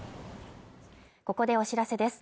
ここでお知らせです。